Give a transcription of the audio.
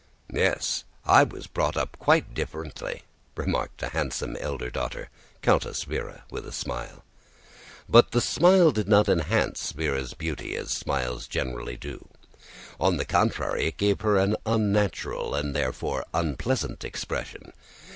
"Yes, I was brought up quite differently," remarked the handsome elder daughter, Countess Véra, with a smile. But the smile did not enhance Véra's beauty as smiles generally do; on the contrary it gave her an unnatural, and therefore unpleasant, expression.